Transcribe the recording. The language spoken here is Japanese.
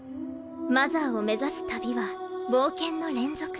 マザーを目指す旅は冒険の連続。